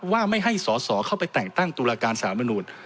ว่าไม่ให้สอสอเข้าไปแต่งตั้งตุลาการสารมนุน